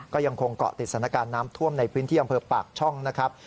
ก็ยังคงเกาะติดสถานการณ์น้ำท่วมในพื้นที่อำเภอปากช่องนะครับ